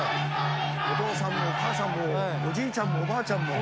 お父さんもお母さんも、おじいちゃんもおばあちゃんも。